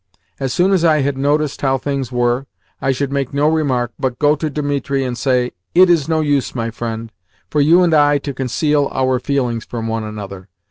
As soon as I had noticed how things were, I should make no remark, but go to Dimitri and say, 'It is no use, my friend, for you and I to conceal our feelings from one another.